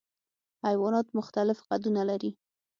حیوانات مختلف قدونه لري.